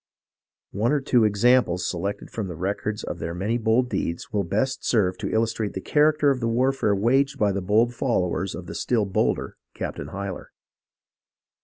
One or two examples selected from the records of their many bold deeds, will best serve to illustrate the character of the warfare waged by the bold followers of the still bolder Captain Hyler.